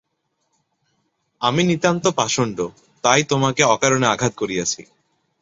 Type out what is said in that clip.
আমি নিতান্ত পাষণ্ড, তাই তোমাকে অকারণে আঘাত করিয়াছি।